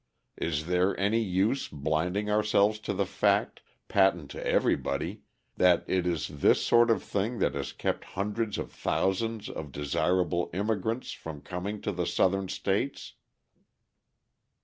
Is there any use blinding ourselves to the fact, patent to everybody, that it is this sort of thing that has kept hundreds of thousands of desirable immigrants from coming to the Southern states?